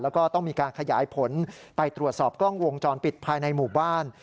แล้วก็ต้องมีการขยายผลไปตรวจสอบกล้องวงจรปิดภายในหมู่บ้าน